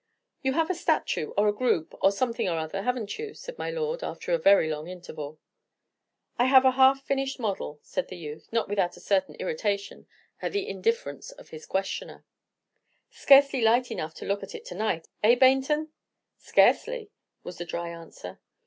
"You have a statue, or a group, or something or other, have n't you?" said my lord, after a very long interval. "I have a half finished model," said the youth, not without a certain irritation at the indifference of his questioner. "Scarcely light enough to look at it to night, eh, Baynton?" "Scarcely!" was the dry answer.